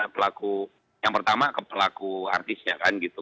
pelaku yang pertama pelaku artisnya kan gitu